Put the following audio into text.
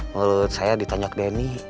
menurut saya ditanyak denny